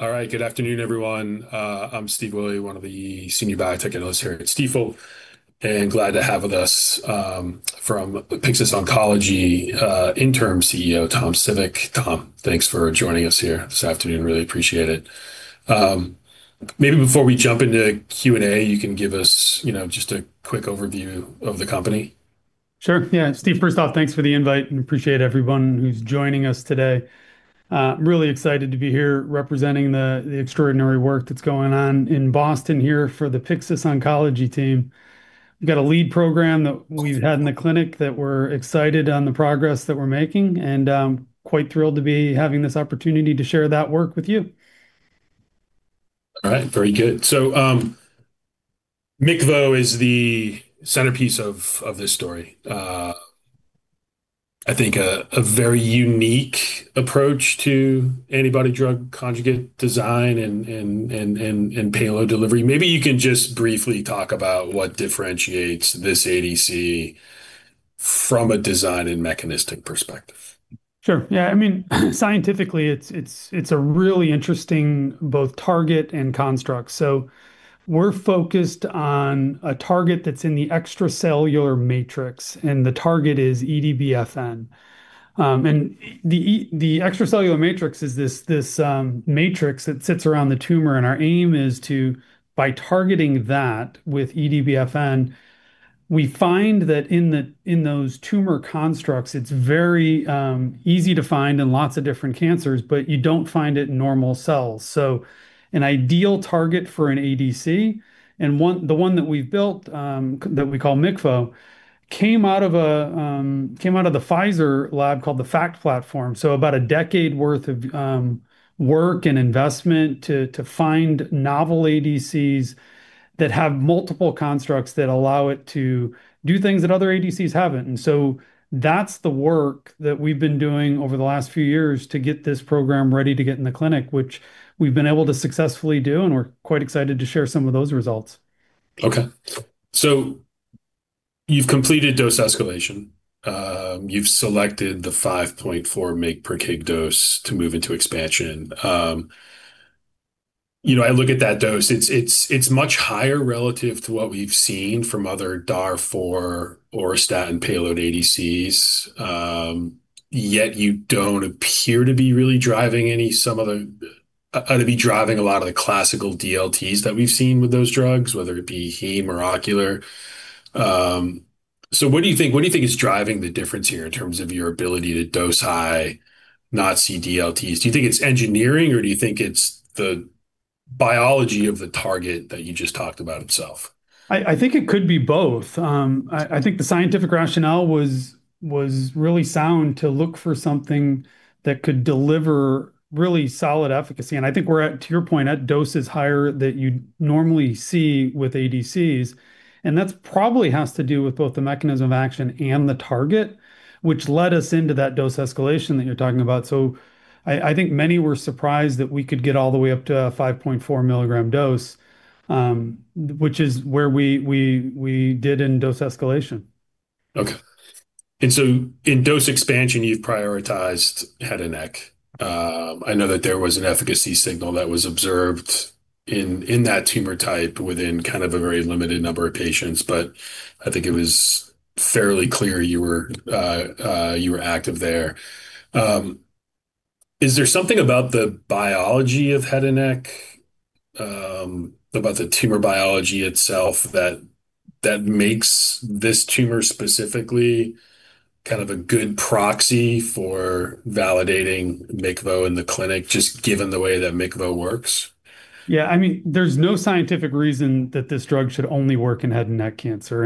All right. Good afternoon, everyone. I'm Stephen Willey, one of the senior biotech analysts here at Stifel. Glad to have with us, from Pyxis Oncology, Interim CEO, Thomas Civik. Tom, thanks for joining us here this afternoon. Really appreciate it. Maybe before we jump into Q&A, you can give us just a quick overview of the company. Sure. Yeah. Stephen Willey, first off, thanks for the invite, and appreciate everyone who's joining us today. I'm really excited to be here representing the extraordinary work that's going on in Boston here for the Pyxis Oncology team. We've got a lead program that we've had in the clinic that we're excited on the progress that we're making, and I'm quite thrilled to be having this opportunity to share that work with you. All right. Very good. MICVO is the centerpiece of this story. I think a very unique approach to antibody-drug conjugate design and payload delivery. Maybe you can just briefly talk about what differentiates this ADC from a design and mechanistic perspective. Sure. Yeah. Scientifically, it's a really interesting both target and construct. We're focused on a target that's in the extracellular matrix, and the target is EDB-FN. The extracellular matrix is this matrix that sits around the tumor, and our aim is to, by targeting that with EDB-FN, we find that in those tumor constructs, it's very easy to find in lots of different cancers, but you don't find it in normal cells, so an ideal target for an ADC. The one that we've built, that we call MICVO, came out of the Pfizer lab called the FACT platform, so about a decade worth of work and investment to find novel ADCs that have multiple constructs that allow it to do things that other ADCs haven't. That's the work that we've been doing over the last few years to get this program ready to get in the clinic, which we've been able to successfully do, and we're quite excited to share some of those results. Okay. You've completed dose escalation. You've selected the 5.4 mg per kg dose to move into expansion. I look at that dose, it's much higher relative to what we've seen from other DAR4 auristatin payload ADCs. Yet you don't appear to be driving a lot of the classical DLTs that we've seen with those drugs, whether it be heme or ocular. What do you think is driving the difference here in terms of your ability to dose high, not see DLTs? Do you think it's engineering, or do you think it's the biology of the target that you just talked about itself? I think it could be both. I think the scientific rationale was really sound to look for something that could deliver really solid efficacy. I think we're at, to your point, at doses higher that you'd normally see with ADCs, and that's probably has to do with both the mechanism action and the target, which led us into that dose escalation that you're talking about. I think many were surprised that we could get all the way up to a 5.4 mg dose, which is where we did in dose escalation. Okay. In dose expansion, you've prioritized head and neck. I know that there was an efficacy signal that was observed in that tumor type within kind of a very limited number of patients, but I think it was fairly clear you were active there. Is there something about the biology of head and neck, about the tumor biology itself that makes this tumor specifically kind of a good proxy for validating MICVO in the clinic, just given the way that MICVO works? Yeah. There's no scientific reason that this drug should only work in head and neck cancer.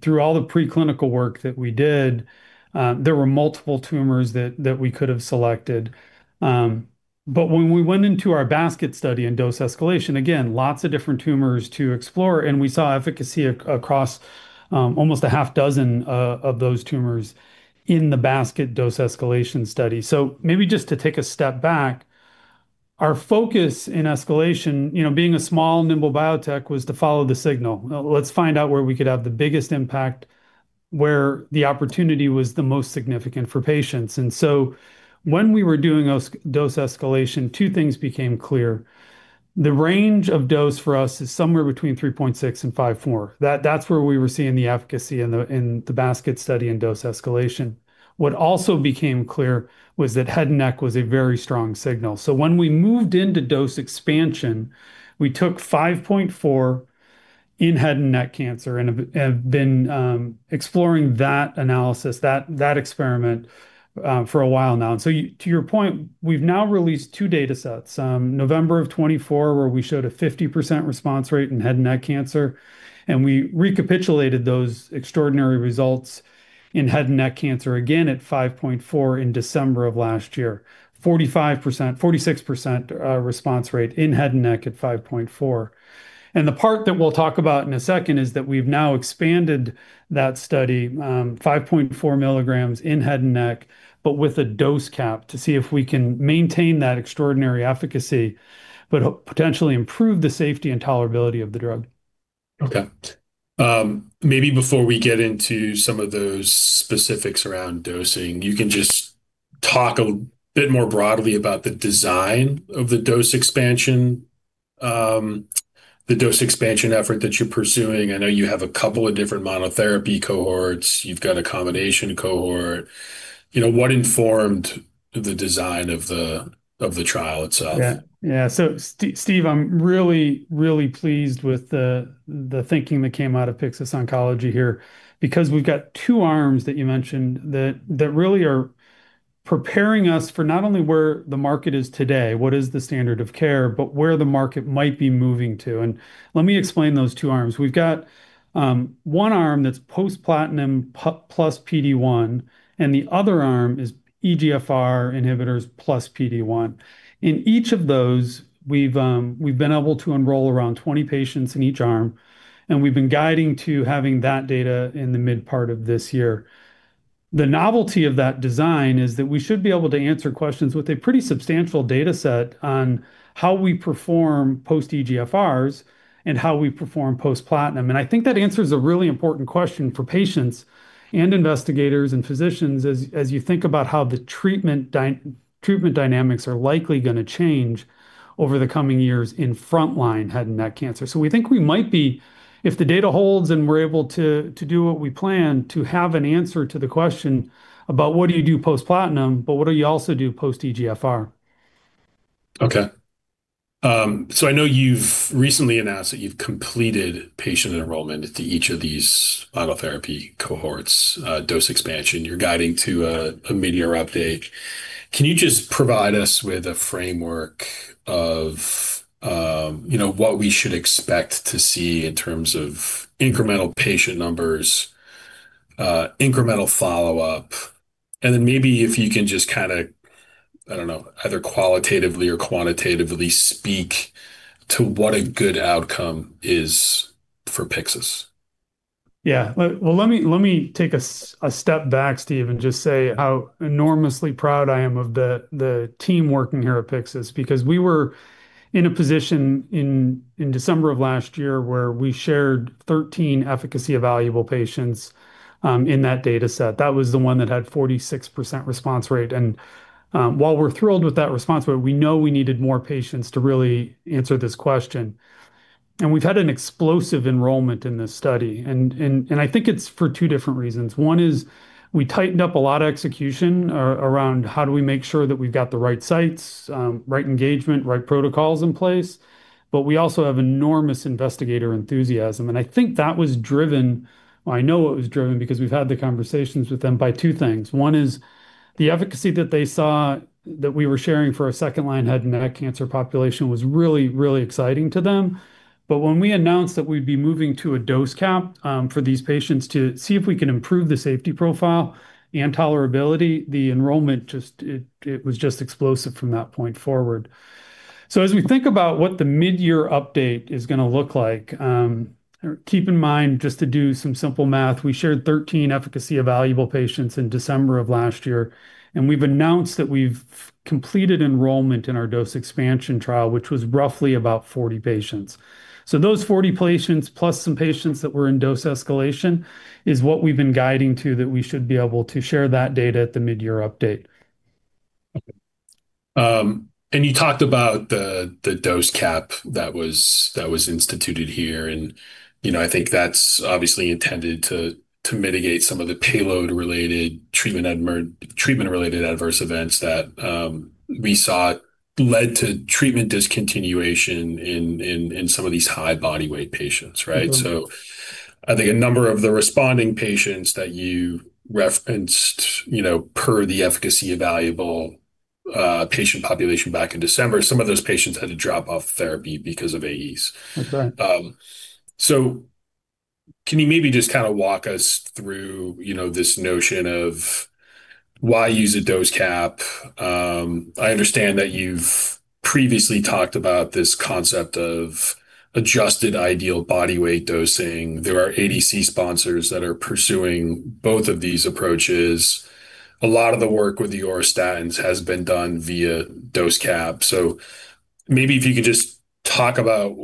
Through all the preclinical work that we did, there were multiple tumors that we could've selected. When we went into our basket study and dose escalation, again, lots of different tumors to explore, and we saw efficacy across almost six of those tumors in the basket dose escalation study. Maybe just to take a step back, our focus in escalation, being a small nimble biotech, was to follow the signal. Let's find out where we could have the biggest impact, where the opportunity was the most significant for patients. When we were doing dose escalation, two things became clear. The range of dose for us is somewhere between 3.6 and 5.4. That's where we were seeing the efficacy in the basket study and dose escalation. What also became clear was that head and neck was a very strong signal. When we moved into dose expansion, we took 5.4 in head and neck cancer and have been exploring that analysis, that experiment for a while now. To your point, we've now released two data sets. November of 2024, where we showed a 50% response rate in head and neck cancer, and we recapitulated those extraordinary results in head and neck cancer again at 5.4 in December of last year. 46% response rate in head and neck at 5.4. The part that we'll talk about in 1 second is that we've now expanded that study, 5.4 mg in head and neck, but with a dose cap to see if we can maintain that extraordinary efficacy, but potentially improve the safety and tolerability of the drug. Okay. Maybe before we get into some of those specifics around dosing, you can just talk a bit more broadly about the design of the dose expansion effort that you're pursuing. I know you have a couple of different monotherapy cohorts. You've got a combination cohort. What informed the design of the trial itself? Yeah. Steve, I'm really, really pleased with the thinking that came out of Pyxis Oncology here, because we've got two arms that you mentioned that really are preparing us for not only where the market is today, what is the standard of care, but where the market might be moving to, and let me explain those two arms. We've got one arm that's post platinum plus PD-1, and the other arm is EGFR inhibitors plus PD-1. In each of those, we've been able to enroll around 20 patients in each arm, and we've been guiding to having that data in the mid part of this year. The novelty of that design is that we should be able to answer questions with a pretty substantial data set on how we perform post-EGFRs and how we perform post-platinum. I think that answers a really important question for patients and investigators and physicians as you think about how the treatment dynamics are likely going to change over the coming years in frontline head and neck cancer. We think we might be, if the data holds and we're able to do what we plan, to have an answer to the question about what do you do post-platinum, but what do you also do post-EGFR. Okay. I know you've recently announced that you've completed patient enrollment into each of these monotherapy cohorts, dose expansion. You're guiding to a midyear update. Can you just provide us with a framework of what we should expect to see in terms of incremental patient numbers, incremental follow-up, and then maybe if you can just, I don't know, either qualitatively or quantitatively speak to what a good outcome is for Pyxis. Yeah. Well, let me take a step back, Stephen, and just say how enormously proud I am of the team working here at Pyxis, because we were in a position in December of last year where we shared 13 efficacy-evaluable patients in that data set. That was the one that had 46% response rate. While we're thrilled with that response rate, we know we needed more patients to really answer this question. We've had an explosive enrollment in this study, and I think it's for two different reasons. One is we tightened up a lot of execution around how do we make sure that we've got the right sites, right engagement, right protocols in place, but we also have enormous investigator enthusiasm. I think that was driven, well, I know it was driven because we've had the conversations with them, by two things. One is the efficacy that they saw that we were sharing for our second-line head and neck cancer population was really, really exciting to them. When we announced that we'd be moving to a dose cap for these patients to see if we can improve the safety profile and tolerability, the enrollment, it was just explosive from that point forward. As we think about what the mid-year update is going to look like, keep in mind just to do some simple math, we shared 13 efficacy-evaluable patients in December of last year, and we've announced that we've completed enrollment in our dose expansion trial, which was roughly about 40 patients. Those 40 patients, plus some patients that were in dose escalation, is what we've been guiding to, that we should be able to share that data at the mid-year update. Okay. You talked about the dose cap that was instituted here, and I think that's obviously intended to mitigate some of the payload-related, treatment-related adverse events that we saw led to treatment discontinuation in some of these high body weight patients, right? I think a number of the responding patients that you referenced per the efficacy-evaluable patient population back in December, some of those patients had to drop off therapy because of AEs. That's right. Can you maybe just walk us through this notion of why use a dose cap? I understand that you've previously talked about this concept of adjusted ideal body weight dosing. There are ADC sponsors that are pursuing both of these approaches. A lot of the work with the auristatins has been done via dose cap. Maybe if you could just talk about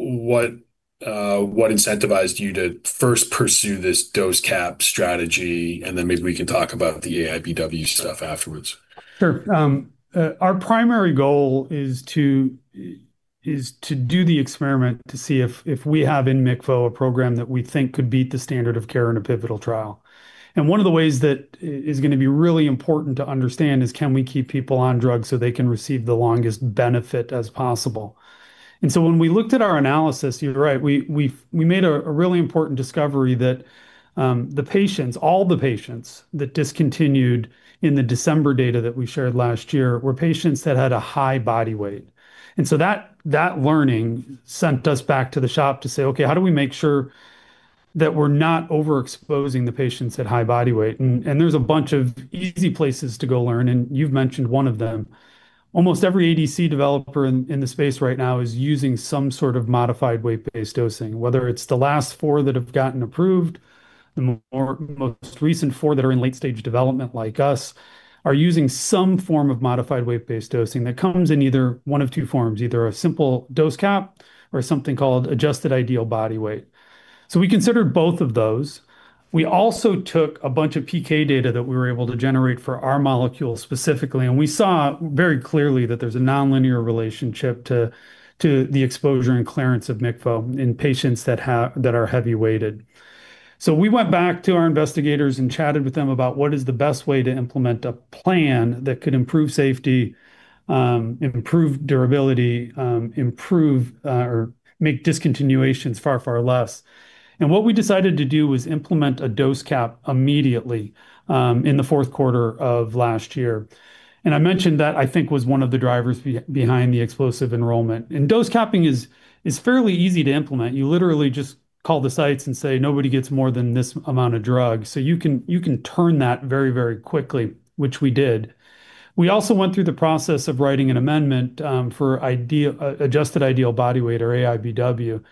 what incentivized you to first pursue this dose cap strategy, and then maybe we can talk about the AIBW stuff afterwards. Sure. Our primary goal is to do the experiment to see if we have in MICVO a program that we think could beat the standard of care in a pivotal trial. One of the ways that is going to be really important to understand is can we keep people on drugs so they can receive the longest benefit as possible? When we looked at our analysis, you're right, we made a really important discovery that the patients, all the patients that discontinued in the December data that we shared last year were patients that had a high body weight. That learning sent us back to the shop to say, "Okay, how do we make sure that we're not overexposing the patients at high body weight?" There's a bunch of easy places to go learn, and you've mentioned one of them. Almost every ADC developer in the space right now is using some sort of modified weight-based dosing. The most recent four that are in late-stage development, like us, are using some form of modified weight-based dosing that comes in either one of two forms, either a simple dose cap or something called adjusted ideal body weight. We considered both of those. We also took a bunch of PK data that we were able to generate for our molecule specifically, and we saw very clearly that there's a nonlinear relationship to the exposure and clearance of MICVO in patients that are heavy-weighted. We went back to our investigators and chatted with them about what is the best way to implement a plan that could improve safety, improve durability, improve or make discontinuations far, far less. What we decided to do was implement a dose cap immediately, in the fourth quarter of last year. I mentioned that I think was one of the drivers behind the explosive enrollment. Dose capping is fairly easy to implement. You literally just call the sites and say, "Nobody gets more than this amount of drug." You can turn that very quickly, which we did. We also went through the process of writing an amendment, for adjusted ideal body weight or AIBW.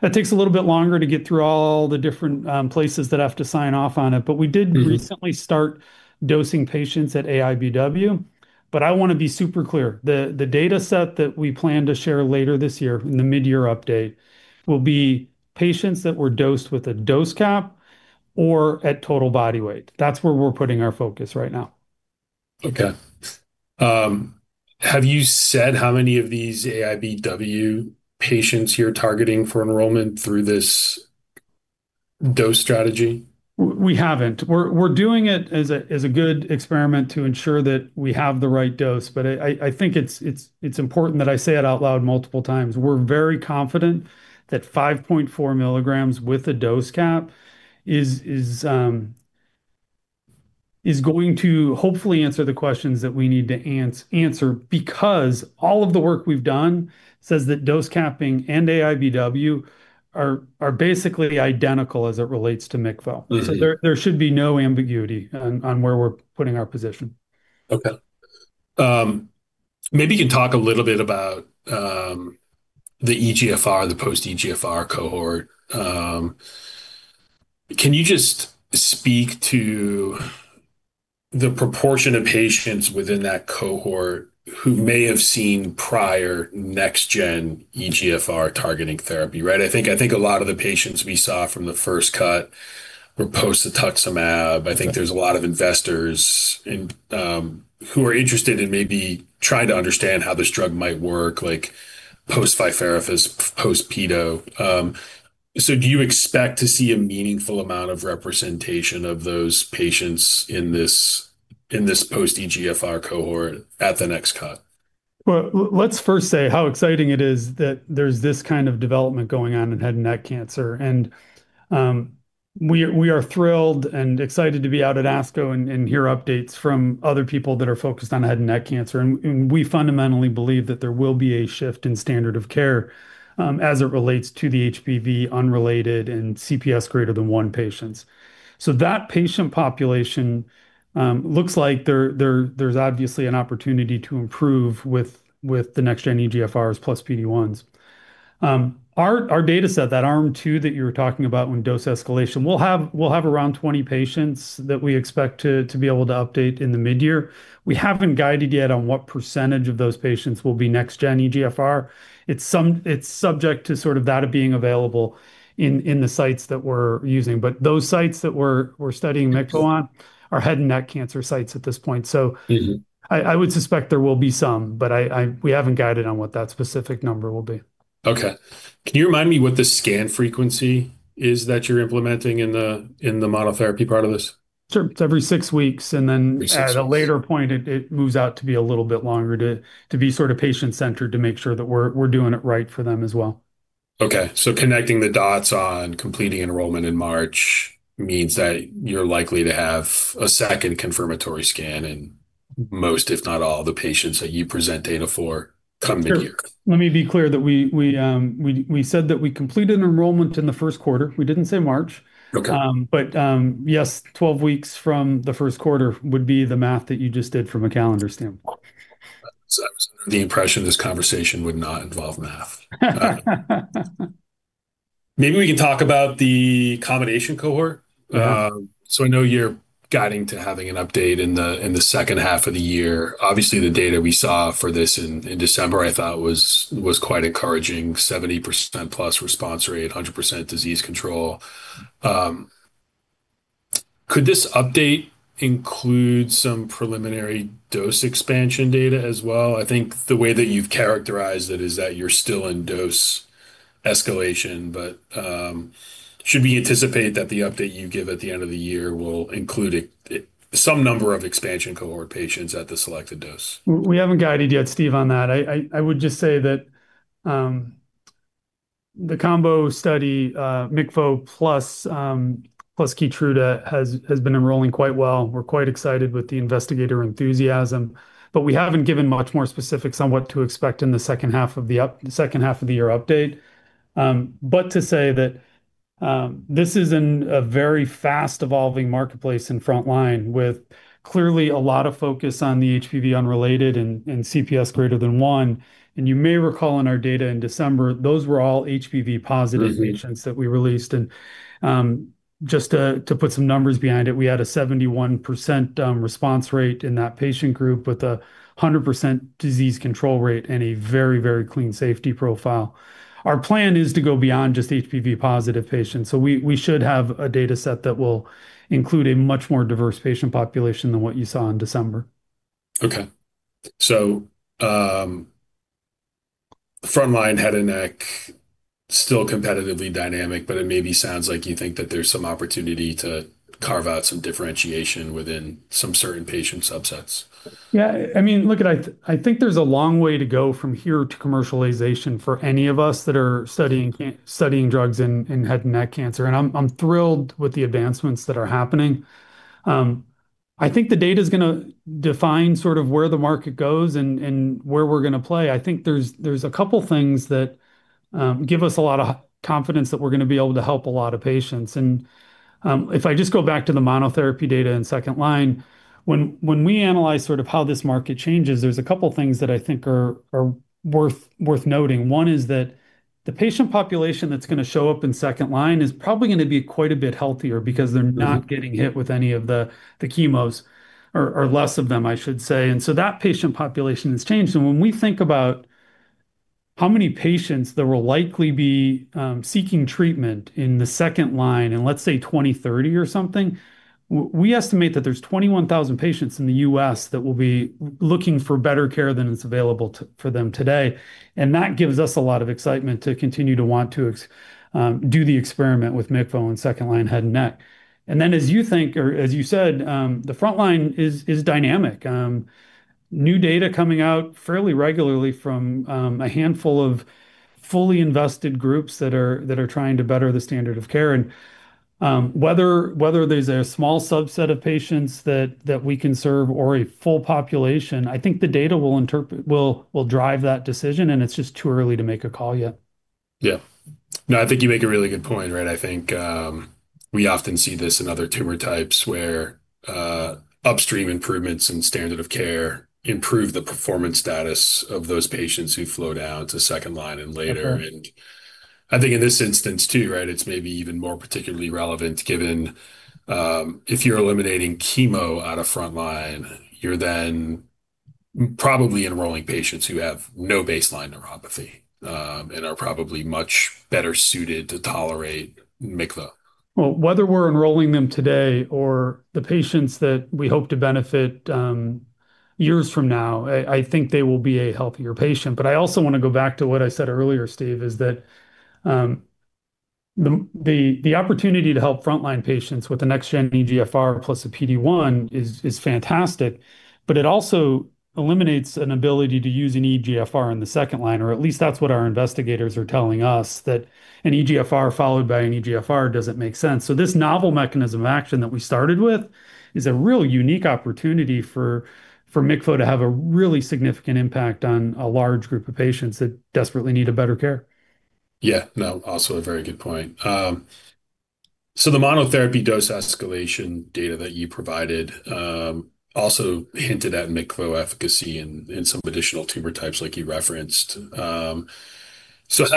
That takes a little bit longer to get through all the different places that have to sign off on it. We did recently start dosing patients at AIBW, but I want to be super clear. The dataset that we plan to share later this year in the mid-year update will be patients that were dosed with a dose cap or at total body weight. That's where we're putting our focus right now. Okay. Have you said how many of these AIBW patients you're targeting for enrollment through this dose strategy? We haven't. We're doing it as a good experiment to ensure that we have the right dose. I think it's important that I say it out loud multiple times. We're very confident that 5.4 mg with a dose cap is going to hopefully answer the questions that we need to answer. All of the work we've done says that dose capping and AIBW are basically identical as it relates to MICVO. There should be no ambiguity on where we're putting our position. Okay. Maybe you can talk a little bit about the EGFR, the post-EGFR cohort. Can you just speak to the proportion of patients within that cohort who may have seen prior next-gen EGFR targeting therapy, right? I think a lot of the patients we saw from the first cut were post-cetuximab. I think there's a lot of investors who are interested in maybe trying to understand how this drug might work, like post-ficlatuzumab, post-Opdivo. Do you expect to see a meaningful amount of representation of those patients in this post-EGFR cohort at the next cut? Let's first say how exciting it is that there's this kind of development going on in head and neck cancer. We are thrilled and excited to be out at ASCO and hear updates from other people that are focused on head and neck cancer. We fundamentally believe that there will be a shift in standard of care as it relates to the HPV-unrelated and CPS greater than one patients. That patient population looks like there's obviously an opportunity to improve with the next-gen EGFRs plus PD-1s. Our dataset, that arm two that you were talking about when dose escalation, we'll have around 20 patients that we expect to be able to update in the mid-year. We haven't guided yet on what percentage of those patients will be next-gen EGFR. It's subject to sort of that of being available in the sites that we're using. Those sites that we're studying MICVO on are head and neck cancer sites at this point. I would suspect there will be some, but we haven't guided on what that specific number will be. Okay. Can you remind me what the scan frequency is that you're implementing in the monotherapy part of this? Sure. It's every six weeks. Every six weeks. At a later point, it moves out to be a little bit longer to be sort of patient-centered to make sure that we're doing it right for them as well. Okay. Connecting the dots on completing enrollment in March means that you're likely to have a second confirmatory scan in most, if not all, the patients that you present data for come mid-year. Sure. Let me be clear that we said that we completed enrollment in the first quarter. We didn't say March. Okay. Yes, 12 weeks from the first quarter would be the math that you just did from a calendar standpoint. I was under the impression this conversation would not involve math. Maybe we can talk about the combination cohort. I know you're guiding to having an update in the second half of the year. Obviously, the data we saw for this in December, I thought was quite encouraging. 70%+ response rate, 100% disease control. Could this update include some preliminary dose expansion data as well? I think the way that you've characterized it is that you're still in dose escalation. Should we anticipate that the update you give at the end of the year will include some number of expansion cohort patients at the selected dose? We haven't guided yet, Steve, on that. I would just say that the combo study, MICVO+KEYTRUDA, has been enrolling quite well. We're quite excited with the investigator enthusiasm. We haven't given much more specifics on what to expect in the second half of the year update. To say that this is in a very fast evolving marketplace in frontline, with clearly a lot of focus on the HPV unrelated and CPS greater than one. You may recall in our data in December, those were all HPV positive. Patients that we released. Just to put some numbers behind it, we had a 71% response rate in that patient group with 100% disease control rate and a very clean safety profile. Our plan is to go beyond just HPV-positive patients. We should have a data set that will include a much more diverse patient population than what you saw in December. Okay. Frontline head and neck, still competitively dynamic, but it maybe sounds like you think that there's some opportunity to carve out some differentiation within some certain patient subsets. Yeah. Look, I think there's a long way to go from here to commercialization for any of us that are studying drugs in head and neck cancer, and I'm thrilled with the advancements that are happening. I think the data's going to define sort of where the market goes and where we're going to play. I think there's a couple things that give us a lot of confidence that we're going to be able to help a lot of patients. If I just go back to the monotherapy data in second-line, when we analyze sort of how this market changes, there's a couple things that I think are worth noting. One is that the patient population that's going to show up in second-line is probably going to be quite a bit healthier because they're not getting hit with any of the chemos, or less of them, I should say. That patient population has changed. When we think about how many patients there will likely be seeking treatment in the second-line in, let's say, 2030 or something, we estimate that there's 21,000 patients in the U.S. that will be looking for better care than is available for them today. That gives us a lot of excitement to continue to want to do the experiment with MICVO in second-line head and neck. As you think or as you said, the frontline is dynamic. New data coming out fairly regularly from a handful of fully invested groups that are trying to better the standard of care. Whether there's a small subset of patients that we can serve or a full population, I think the data will drive that decision, and it's just too early to make a call yet. Yeah. No, I think you make a really good point, right? I think we often see this in other tumor types where upstream improvements in standard of care improve the performance status of those patients who flow down to second-line and later. I think in this instance too, right, it's maybe even more particularly relevant given if you're eliminating chemo out of frontline, you're then probably enrolling patients who have no baseline neuropathy, and are probably much better suited to tolerate MICVO. Whether we're enrolling them today or the patients that we hope to benefit years from now, I think they will be a healthier patient. I also want to go back to what I said earlier, Steve, is that the opportunity to help frontline patients with a next gen EGFR plus a PD-1 is fantastic, but it also eliminates an ability to use an EGFR in the second-line, or at least that's what our investigators are telling us, that an EGFR followed by an EGFR doesn't make sense. This novel mechanism of action that we started with is a real unique opportunity for MICVO to have a really significant impact on a large group of patients that desperately need a better care. Yeah. No, also a very good point. The monotherapy dose escalation data that you provided also hinted at MICVO efficacy in some additional tumor types like you referenced. How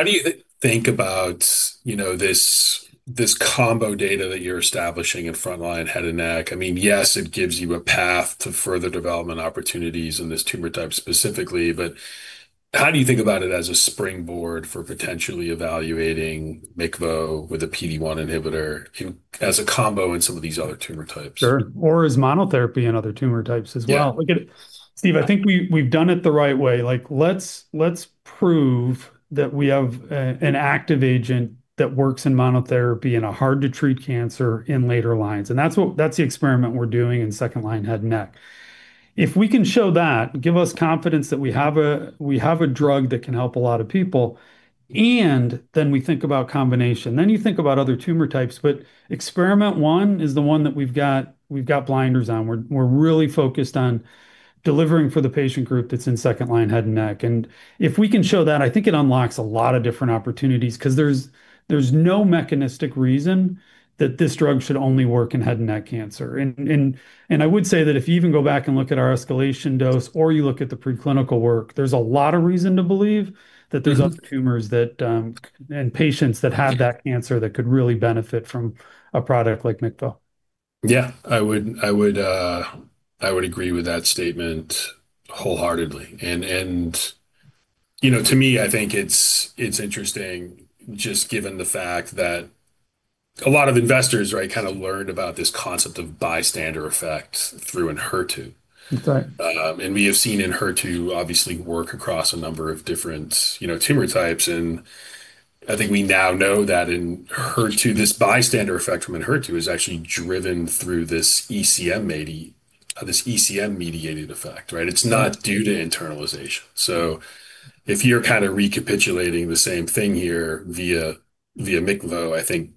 do you think about this combo data that you're establishing in frontline head and neck? Yes, it gives you a path to further development opportunities in this tumor type specifically, how do you think about it as a springboard for potentially evaluating MICVO with a PD-1 inhibitor as a combo in some of these other tumor types? Sure. As monotherapy in other tumor types as well. Yeah. Stephen, I think we've done it the right way. Let's prove that we have an active agent that works in monotherapy in a hard-to-treat cancer in later lines. That's the experiment we're doing in second-line head and neck. If we can show that, give us confidence that we have a drug that can help a lot of people, and then we think about combination. You think about other tumor types. Experiment 1 is the one that we've got blinders on. We're really focused on delivering for the patient group that's in second-line head and neck. If we can show that, I think it unlocks a lot of different opportunities because there's no mechanistic reason that this drug should only work in head and neck cancer. I would say that if you even go back and look at our escalation dose or you look at the preclinical work, there's a lot of reason to believe that there's other tumors and patients that have that cancer that could really benefit from a product like MICVO. Yeah. I would agree with that statement wholeheartedly. To me, I think it's interesting just given the fact that a lot of investors kind of learned about this concept of bystander effect through ENHERTU. That's right. We have seen ENHERTU obviously work across a number of different tumor types, and I think we now know that in ENHERTU, this bystander effect from ENHERTU is actually driven through this ECM-mediated effect, right? Yeah. It's not due to internalization. If you're kind of recapitulating the same thing here via MICVO, I think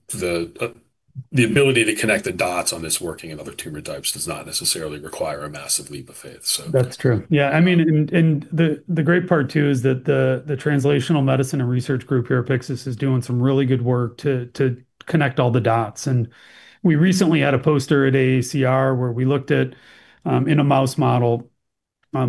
the ability to connect the dots on this working in other tumor types does not necessarily require a massive leap of faith. That's true. Yeah. The great part too is that the Translational Medicine and Research Group here at Pyxis is doing some really good work to connect all the dots. We recently had a poster at AACR where we looked at, in a mouse model,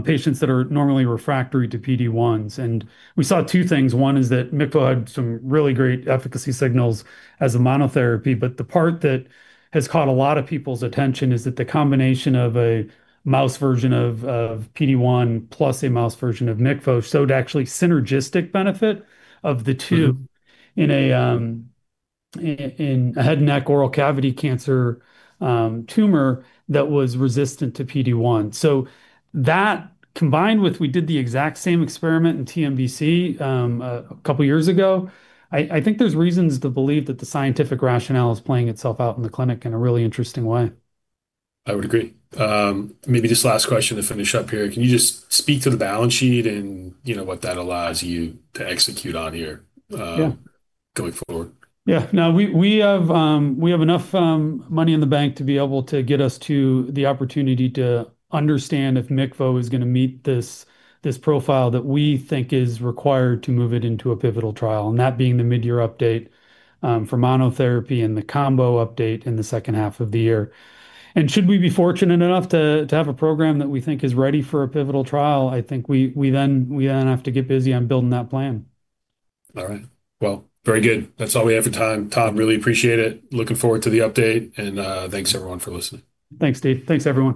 patients that are normally refractory to PD-1s. We saw two things. One is that MICVO had some really great efficacy signals as a monotherapy. The part that has caught a lot of people's attention is that the combination of a mouse version of PD-1 plus a mouse version of MICVO showed actually synergistic benefit. in a head and neck oral cavity cancer tumor that was resistant to PD-1. That, combined with we did the exact same experiment in TNBC a couple of years ago, I think there's reasons to believe that the scientific rationale is playing itself out in the clinic in a really interesting way. I would agree. Maybe just last question to finish up here. Can you just speak to the balance sheet and what that allows you to execute on here? Yeah Going forward? We have enough money in the bank to be able to get us to the opportunity to understand if MICVO is going to meet this profile that we think is required to move it into a pivotal trial, and that being the mid-year update for monotherapy and the combo update in the second half of the year. Should we be fortunate enough to have a program that we think is ready for a pivotal trial, I think we then have to get busy on building that plan. All right. Well, very good. That's all we have for time. Tom, really appreciate it. Looking forward to the update and thanks everyone for listening. Thanks, Steve. Thanks, everyone.